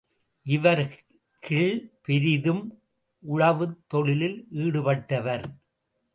இவர்கிள் பெரிதும் உழவுத் தொழிலில் ஈடுபட்டவர்.